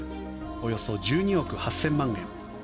およそ１２億８０００万円。